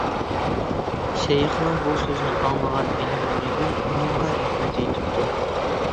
شەيخنىڭ بۇ سۆزىنى ئاڭلىغان ئېلى نۇرىدىن ئۇنىڭغا رەھمەت ئېيتىپتۇ.